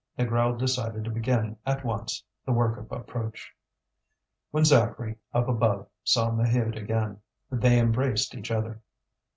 Négrel decided to begin at once the work of approach. When Zacharie, up above, saw Maheude again, they embraced each other.